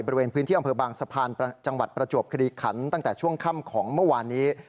บริเวณพื้นที่อำเภอบางสะพานจังหวัดประจวบคลีขันตั้งแต่ช่วงค่ำของเมื่อวานนี้